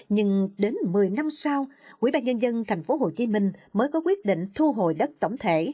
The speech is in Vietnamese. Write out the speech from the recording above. nhưng đến một mươi năm sau quỹ bạc nhân dân tp hcm mới có quyết định thu hồi đất tổng thể